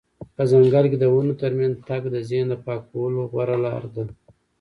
په ځنګل کې د ونو ترمنځ تګ د ذهن د پاکولو غوره لاره ده.